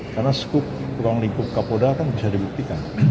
karena skup ruang lingkup kapolda kan bisa dibuktikan